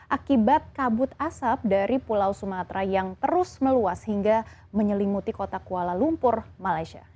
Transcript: akibat kabut asap dari pulau sumatera yang terus meluas hingga menyelimuti kota kuala lumpur malaysia